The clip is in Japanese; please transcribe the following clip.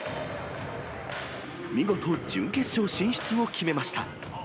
見事、準決勝進出を決めました。